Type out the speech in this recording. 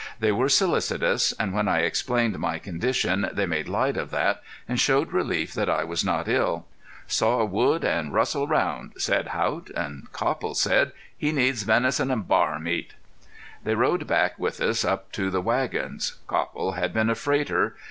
They were solicitous, and when I explained my condition they made light of that, and showed relief that I was not ill. "Saw wood an' rustle around," said Haught. And Copple said: "He needs venison an' bear meat." They rode back with us up to the wagons. Copple had been a freighter.